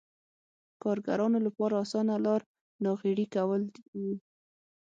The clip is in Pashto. کارګرانو لپاره اسانه لار ناغېړي کول و.